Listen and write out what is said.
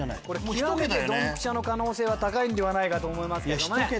極めてドンピシャの可能性は高いんではないかと思います。